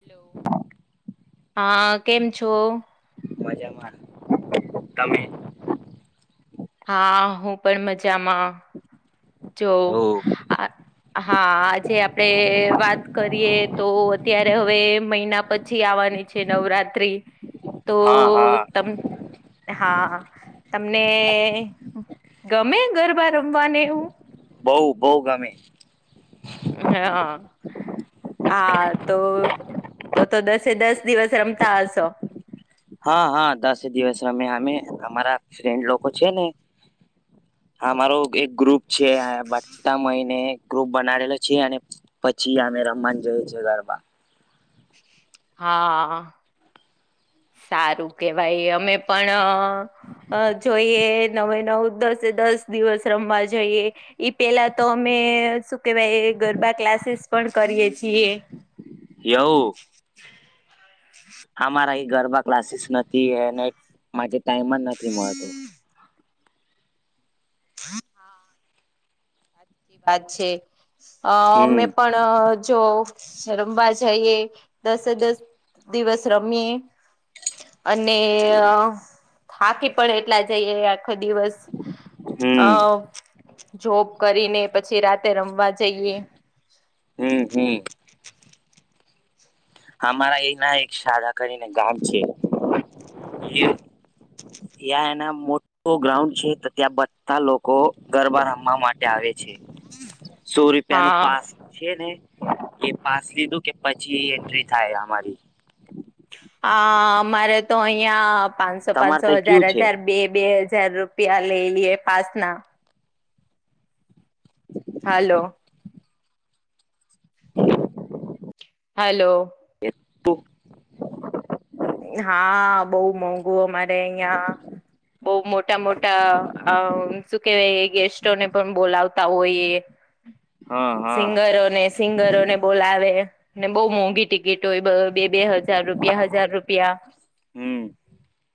Hello હા કેમ છો? મજામાં તમે? હા હું પણ મજામાં જો ઓ આ હા આજે આપડે વાત કરીએ તો અત્યારે હવે મહિના પછ થી આવાની છે નવરાત્રી. તો હ હા. તમ હા તમને ગમે ગરબા રમવાને એવું? બઉ બઉ ગમે. હમ્મ હા. હા તો તો તો દસે દસ દિવસ રમતા હશો? હા હા દસે દિવસ રમીએ અમે અમારા ફ્રેન્ડ લોકો છે ને અમારો એક ગ્રુપ છે આયા બધા મળીને ગ્રુપ બનાવેલો છે અને પછી અમે રમવાનું જઈએ છીએ ગરબા. હા સારું કેવાય અમે પણ અઅ અ જોઈએ નવે નવ દસે દસ દિવસ રમવા જઈએ. એ પેલા તો અમે શું કેહેવાય ગરબા ક્લાસીસ પણ કરીએ છીએ. યવુ. [unintelligible] આમારા અય ગરબા ક્લાસીસ નથી એને માટે ટાઈમ જ નથી મળતો. હા હા. સાચી વાત છે અ હમ મે પણ અ જો રમવા જઈએ દસે દસ દિવસ રમીએ અને થાકી પણ એટલા જઈએે આખો દિવસ અ હમ જોબ કરીને પછી રાતે રમવા જઈએ. હમ હમ. અમારા એના એક શાળા કરીને ગામ છે એય યા એના મોટ્ટો ગ્રાઉન્ડ છે, તો ત્યાં બધા લોકો ગરબા રમવા માટે આવે છે સો રૂપિયાનું હા પાસ છે ને એ પાસ લીધું કે પછી એ એન્ટ્રી થાય અમારી. હ અમારે તો અહિયાં પાંચસો તમારે પાંચસો તઈ હજાર કયું છે? હજાર બે બે હજાર રૂપ પીયા લઈ લઈએ પાસના. હાલો. હાલો. એ [unintelligible] હા બઉ મોંઘુ અમારે અહિયાં. બઉ મોટા મોટા અ શું કેહેવાય ગેસ્ટોને પણ બોલાવતા હોય એ. હા હા સિંગરો ને સિંગરોને બોલાવે ને બહુ મોંઘી ટિકિટો હોય બે બે હજાર રૂપિયા હજાર રૂપ પિયા હમ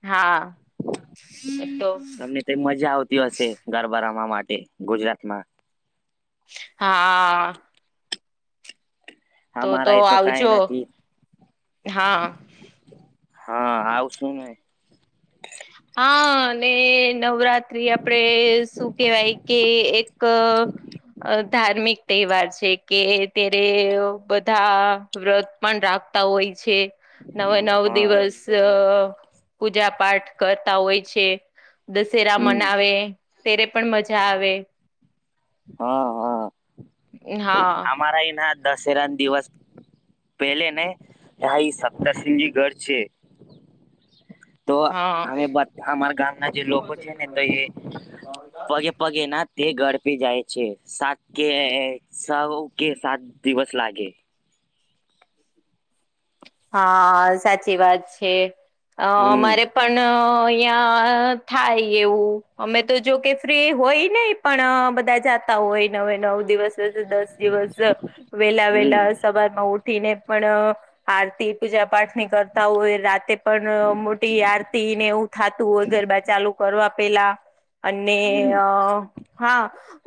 હા હમ્મ હતો. તે મજા આવતી હશે ગરબા રમવા માટે ગુજરાતમાં. હા. અમારાય તો કાંઈ નથી. હા હા આવશુ ને. હા અને નવરાત્રી આપડે શું કેવાય કે એક. અ ધાર્મિક તહેવાર છે કે ત્યારે બધા. વ્રત પણ રાખતા હોય છે. નવે નવ હા દિવસ અ પૂજા પાઠ. કરતા હોય છે દશેરા હમ મનાવે તેરે પણ મજા આવે. હા હા હા અમારા એના દશેરા ની દિવસ પેલે ને હા એ સપ્તસિહજી ઘર છે. તો હા. અમે અમારા ગામના જે લોકો છે ને તો એ પગે પગે ના તે ઘર પે જાય છે સાત કે સૌ કે સાત દિવસ લાગે હા સાચી વાત છે અ હમ અમારે પણ અહિયાં થાય એવું અમે તો જો કે ફ્રી હોય નેય પણ બધા જાતા હોય નવે નવ દિવસ દસે દસ દિવસ વેલા હમ વેલા સવાર માં ઉઠીને પણ આરતી પૂજા પાઠ ની કરતા હોય રાતે પણ મોટી આરતી ને એવું થાતું હોય ગરબા ચાલુ કરવા પેલા અને હમ હા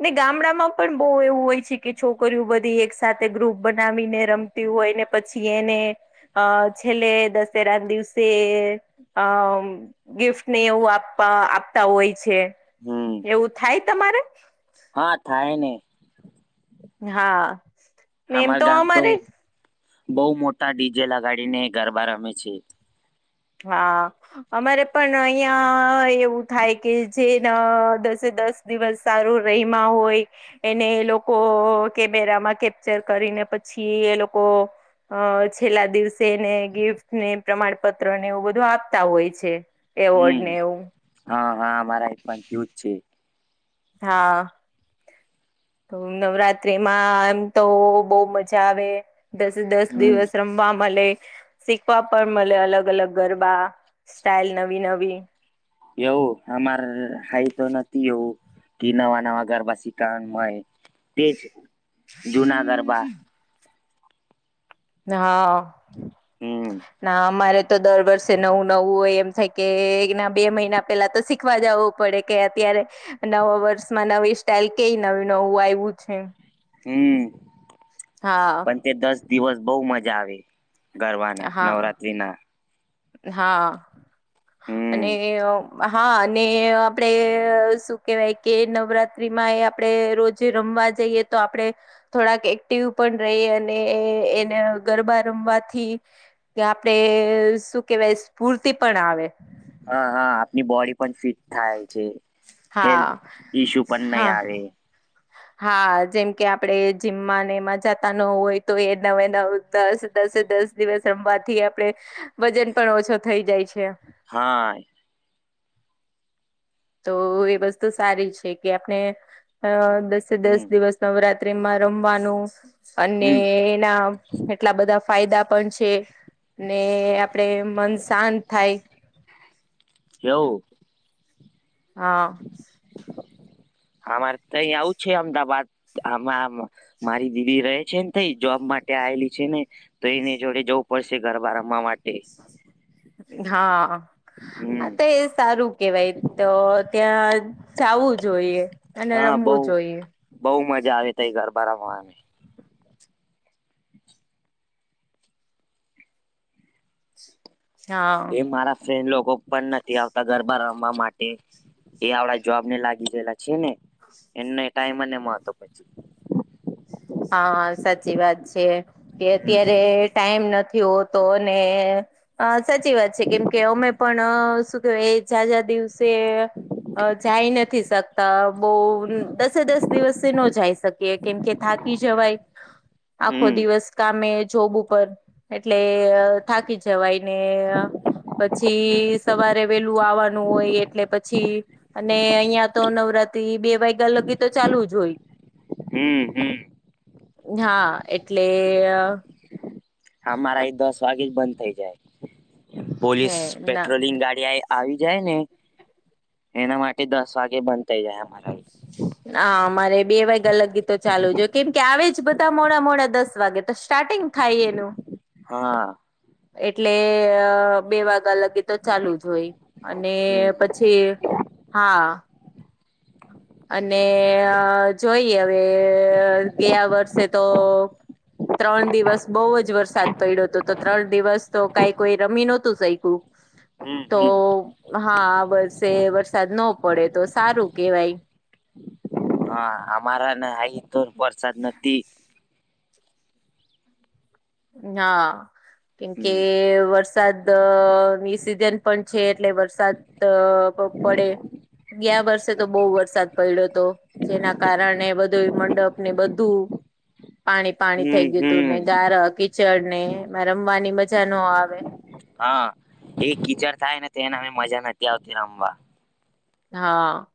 ને ગામડા માં પણ બહુ એવું હોય છે કે છોકરીઓ બધી એક સાથે ગ્રુપ બનાવીને રમ તી હોય ને પછી એને અ છેલ્લે દશેરાના દિવસે અ મ ગિફ્ટ ને એવું આપ આપતા હોય છે હમ એવું થાય તમારે હા થાય ને હા ને એમ અમાર તો ગામ અમારે બહુ મોટા ડીઝે લગાડી ને ગરબા રમે છે. હા અમારે પણ અહિયાં એવું થાય કે જેના દસે દસ દિવસ સારું રયમાં હોય એને એ લોકો કેમેરામાં કેપ્ચર કરીને પછી એ લોકો અ છેલ્લા દિવસે એને ગિફ્ટ ને પ્રમાણપત્ર ત્ર ને એવું બધું આપતા હોય છે. એવોર્ડ હમ ને એવું હા હા અમારા એક પણ થયું જ છે. હા. તો નવરાત્રીમાં એમ તો બહુ મજા આવે. દસે દસ હમ દિવસ રમવા મળે. શીખવા પણ મળે અલગ અલગ ગરબા સ્ટાઇલ નવી નવી એવું હમારે હાઈ તો નથી એવું કે નવા નવા ગરબા શીખાવાનું હોય તેજ જૂના ગરબા હા હમ ના અમારે તો દર વર્ષે નવું નવું હોય એમ થાય કે ના બે મહિના પેલા તો શીખવા જવું પડે કે અત્યારે નવા વર્ષમાં નવી સ્ટાઈલ કેઈ નવું નવું આવ્યું છે. હમ. હા. પણ તે દસ દિવસ બઉ મજા આવે ગરવાના હા નવરાત્રીના હા હમ્મ અને હા અને આપડે શું કેવાય કે નવરાત્રી માં એ આપણે રોજે રમવા જઈએ તો આપડે થોડાક એક્ટિવ પણ રહીએ અને એને ગરબા રમવાથી કે આપણે શું કેવાય સ્ફૂર્તિ પણ આવે હા હા આપની બોડી પણ ફિટ થાય છે. હા હેલ્થ ઇસ્યુ પણ હા નઈ આવે હા જેમ કે આપડે જીમમાં ને એમાં જાતા ન હોય તો એ નવે નવું દસ દસે દસ દિવસ રમવાથી આપડે વજન પણ ઓછો થઈ જાય છે. હા તો એ વસ્તુ સારી છે કે આપણે દસે દસ હમ દિવસ નવરાત્રીમાં રમવાનું અને હમ એના એટલા બધા ફાયદા પણ છે ને આપણે મન શાંત થાય કેવું હા હા મારે તઈ આવું છે અમદાવાદ આમાં આમ મારી દીદી રહે છે ને થઈ જોબ માટે આવેલી છે ને તો એની જોડે જવું પડશે ગરબા રમવા માટે હા હા હમ તો એ સારું કેવાય તો ત્યાં જાવું જોઈએ અને હા બઉ રમવું જોઈએ બઉ મજા આવે તઈ ગરબા રમવા હા એ મારા ફ્રેન્ડ લોકો પણ નથી આવતા ગરબા રમવા માટે એ આવડા જોબ ને લાગી ગયેલા છે ને એ ટાઈમ ની મળતો પછી હા સાચી કે હમ અત્યારે ટાઈમ નથી હોતો અને હા સાચી વાત છે કેમ કે અમે પણ શું કેવાય એ ઝાઝાં દિવસે હ જાય નથી શકતા બહુ દસે દસ દિવસથી ન જાય શકીએ કેમ કે થાકી જવાય આખો હમ દિવસ કામે જોબ ઉપર એટલે થાકી જવાય ને હમ પછી સવારે વેલું આવવાનું હોય એટલે પછી અને અહિયાં તો નવરાત્રી બે વાગ્યા લગી તો ચાલુ જ હોય હમ્મ હમ્મ હા એટલે અમારે એ દસ વાગે જ બંધ થઇ જાય હે પોલીસ ના પેટ્રોલિંગ ગાડી આય આવી જાય ને એના માટે દસ વાગે બંધ થઇ જાય અમારા હા મારે બે વાગે લયગી તો ચાલુ જો કેમ કે આવે જ બધા મોડા મોડા દસ વાગે તો સ્ટાર્ટિંગ થાઈ એનું હા એટલે બે વાગ્યા લગી તો ચાલુ જ હમ પછી હા અને જોઈએ હવે ગયા વર્ષે તો ત્રણ દિવસ બહુ જ વરસાદ પડ્યો તો તો ત્રણ દિવસ તો કાંઈ કોઈ રમી નતું સઈકું હમ્મ હમ્મ. હા, આ વરસેે વરસાદ નો પડે તો સારું કેવાય. હા, અમારાને અહી તો વરસાદ નથી. ના કેમકે હમ વર સાદની સિઝન પણ છે એટલે વરસાદ પડે ગયા વર્ષે તો બહુ વરસાદ પયડો તો. જેના કારણે બધુંય મંડપને બધું પાણી પાણી હમ થઈ ગયું તું હમ ને ગાર, કીચડને એમાં રમવાની મજા નો આવે. હા, એ કીચડ થાય ને તેના મય મજા નથી આવતી રમવા હા.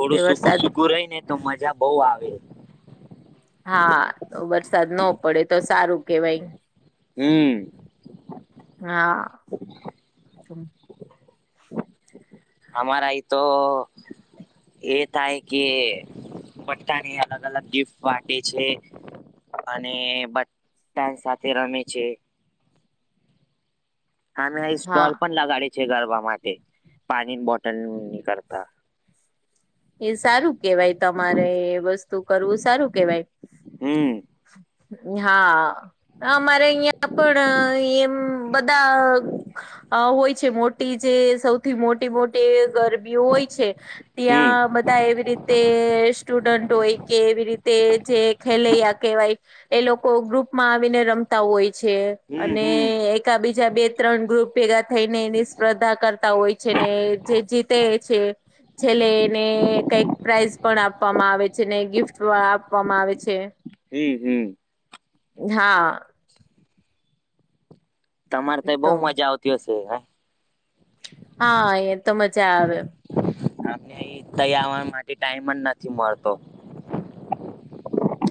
એટલે સુકું વરસાદ સુકું રહીને તો મજા બઉ આવે. હા, તો વરસાદ ન પડે તો સારું કેવાય. હમ્મ. હા. અમારા અય તો એ થાય કે પટ્ટાની અલગ અલગ ગિફ્ટ વાટે છે. અને બધા સાથે રમે છે. અમે અહી હા સ્ટોલ પણ લગાડે છે ગરબા માટે પાણીની બોટલની કરતા એ સારું કેવાય તમારે એ વસ્તુ કરવું સારું કેવાય. હમ હા અમારે અહિયાં પણ એમ બધા અ હોય છે મોટી જે સૌથી મોટી મોટી ગરબીઓ હોય છે હમ ત્યાં બધા એવી રીતે સ્ટુડન્ટ હોય કે એવી રીતે જે ખેલેૈયા કહેવાય એ લોકો ગ્રુપમાં આવીને રમતા હોય છે હમ અને હમ એક કા બીજા બે ત્રણ ગ્રુપ ભેગા થઈને એની સ્પર્ધા કરતા હોય છે ને જે જીતે છે છેલ્લે ને કઈક પ્રાઈઝ પણ આપવામાં આવે છે ને ગિફ્ટ આપવામાં આવે છે. હમ્મ હમ્મ. હા. તમારે તય બોવ એકદમ. મજા આવતી હશે હે હા, એ તો મજા આવે. આમને તય આવવા માટે ટાઈમ જ નથી મળતો.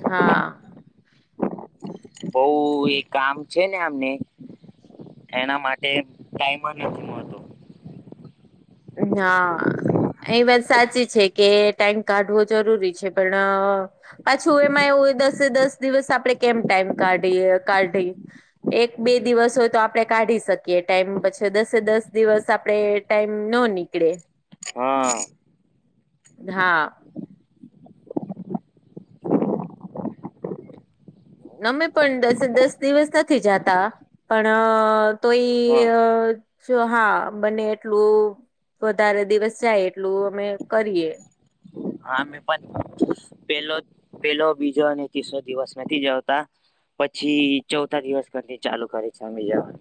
હા. બોવ એ કામ છે ને આમને એના માટે ટાઈમ જ નથી મ ના. એ વાત સાચી છે કે ટાઈમ કાઢવો જરૂરી છે પણ પાછું એમાં એવું દસે દસ દિવસ આપણે કેમ ટાઈમ કાઢીએ કાઢી એક બે દિવસ હોય તો આપડે કાઢી શકીએ ટાઈમ પછી દસે દસ દિવસ આપડે ટાઈમ ન નીકળે. હા હા. અમે પણ દસે દસ દિવસ નથી જાતા. પણ હા તોય જો હા બને એટલું વધારે દિવસ જાય એટલું અમે કરીએ. હા મે પણ પેલો પેલો બીજો અને ત્રીસો દિવસ નથી જતાં. પછી ચૌથા દિવસ પછી ચાલુ કરી છે અમે જવાનું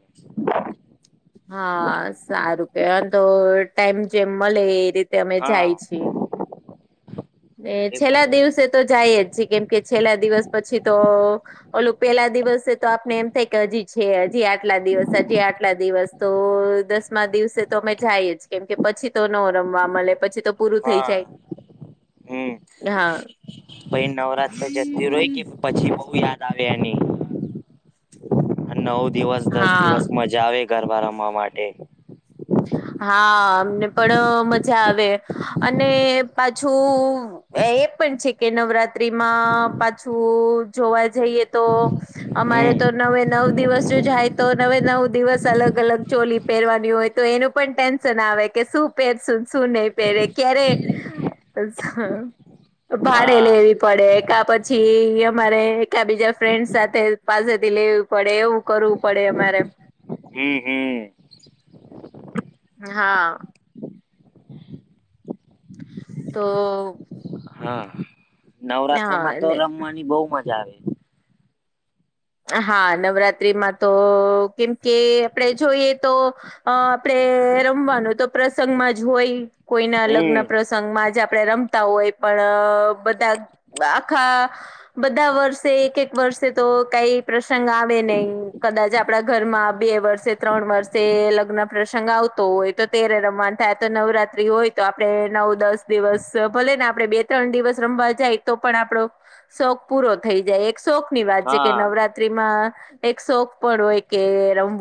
હા, સારું કે તો ટાઈમ જેમ મળે એ રીતે અમે જાય હા છીએ. ને એ છેલ્લા બહુ દિવસે તો જાય જ છે કેમ કે છેલ્લા દિવસ પછી તો ઓલું પેલા દિવસે તો આપને એમ થાય કે હજી છે હજી આટલા દિવસ હજી આટલા દિવસ. તો દસમા દિવસે તો અમે જાય જ. કેમ કે પછી તો ન રમવા મળે પછી ત તો પૂરું થઈ જાય. હા નાહા પહી નવરાત્ર જતુ રય કે પછી બઉ યાદ આવે એની. અને નવ દિવસ દસ હા દિવસ મજા આવે એ ગરબા રમવા માટે. હા, અમને પણ મજા આવે અને પાછું એ પણ છે કે નવરાત્રીમાં પાછું જોવા જઈએ તો અમારે હમ તો નવે નવ દિવસ જો જાય તો નવે નવ દિવસ અલગ- અલગ ચોલી પહેરવાની હોય તો એનું પણ ટેન્શન આવે કે શું પહેરશું શું નહી પહેરે ક્યારે ભાડે હા લેવી પડે કા પછી અમારે કા બીજા ફ્રેન્ડ સાથે પાસેથી લેવી પડે એવું કરવું પડે અમારે. હમ્મ- હમ્મ. હા. તો. હા, નવરાત્રા માં તો હા રમવાની બહું મજા આવે. હા, નવરાત્રીમાં તો કેમ કે આપણેે જોઈએ તો અ આપડે રમવાનું તો પ્રસંગમાં જ હોય. કોઈના લગ્ન હમ પ્રસ ગમાં જ આપણે રમતા હોય પણ બધા આખા બધા વર્ષે એક- એક વર્ષે તો કઈ પ્રસંગ આવે નહી. કદાચ આપડા ઘરમાં બે વર્ષે ત્રણ વર્ષ તે લગ્ન પ્રસંગ આવતો હોય તો તેરે રમવાનું થાય તો નવરાત્રી હોય તો આપણે નવ દસ દિવસ, ભલે ને આપણે બે ત્રણ દિવસ રમવા જાય તો પણ આપડો શોક પૂરો થઈ જાય એક શોક ની વાત કે હા નવરાત્રીમાં એક શોખ પણ હોય કે રમ